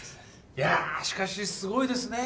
いやしかしすごいですね。